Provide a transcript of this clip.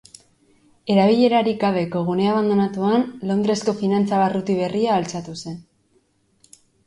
Erabilerarik gabeko gune abandonatuan, Londresko finantza barruti berria altxatu zen.